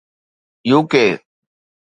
U.K